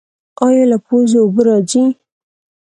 ایا له پوزې اوبه راځي؟